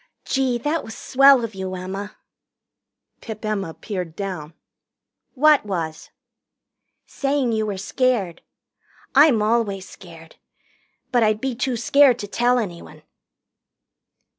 "Gee, that was swell of you, Emma!" Pip Emma peered down. "What was?" "Saying you were scared. I'm always scared. But I'd be too scared to tell anyone."